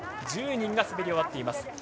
１０人が滑り終わっています。